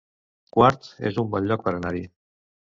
Quart es un bon lloc per anar-hi